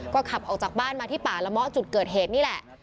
ก็ขับออกจากบ้านมาที่ป่าละเมาะจุดเกิดเหตุนี่แหละ